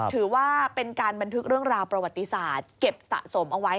ถือว่าเป็นการบันทึกเรื่องราวประวัติศาสตร์เก็บสะสมเอาไว้